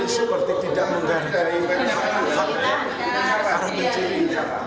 seperti tidak menggaris dari hak haknya para pencuri